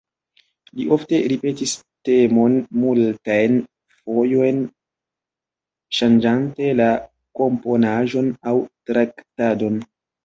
Li ofte ripetis temon multajn fojojn, ŝanĝante la komponaĵon aŭ traktadon.